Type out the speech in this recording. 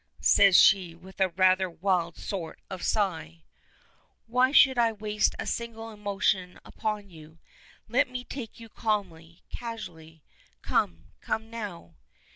says she, with a rather wild sort of sigh. "Why should I waste a single emotion upon you. Let me take you calmly, casually. Come come now."